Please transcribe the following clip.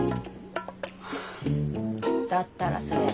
だったらそれ